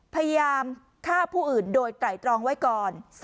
พยายามฆ่าผู้อื่นโดยไตรตรองไว้ก่อน